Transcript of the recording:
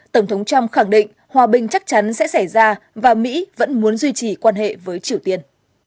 tổng thống trump khẳng định hòa bình chắc chắn sẽ xảy ra và mỹ vẫn muốn duy trì quan hệ với triều tiên